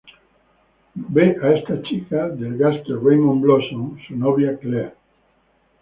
Él ve a esta chica del gángster Raymond Blossom, su novia Claire.